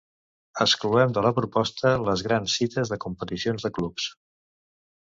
Excloem de la proposta les grans cites de competicions de clubs.